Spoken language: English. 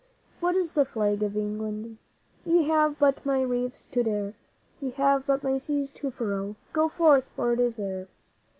What is the Flag of England? Ye have but my reefs to dare, Ye have but my seas to furrow. Go forth, for it is there!